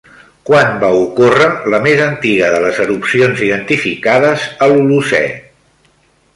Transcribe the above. Quan va ocórrer la més antiga de les erupcions identificades a l'Holocè?